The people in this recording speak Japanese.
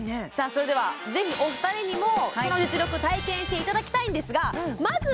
それではぜひお二人にもその実力を体験していただきたいんですがまずはその前にお二人の体の状態を